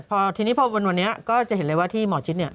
พอทีนี้พอวันนี้ก็จะเห็นเลยว่าที่หมอชิดเนี่ย